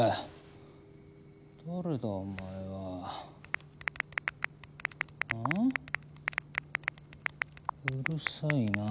誰だお前は。あ？うるさいなあ。